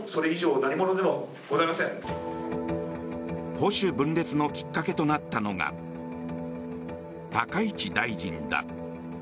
保守分裂のきっかけとなったのが高市大臣だ。